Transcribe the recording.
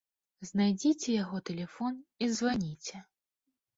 Знайдзіце яго тэлефон і званіце.